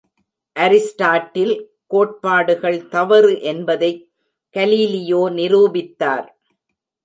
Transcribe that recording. Aristotle கோட்பாடுகள் தவறு என்பதைக் கலீலியோ நிரூபித்தார்!